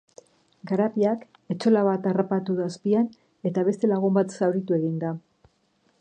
Garabiak etxola bat harrapatu du azpian eta beste lagun bat zauritu egin da.